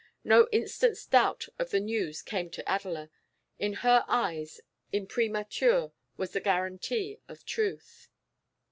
No instant's doubt of the news came to Adela; in her eyes imprimatur was the guarantee of truth.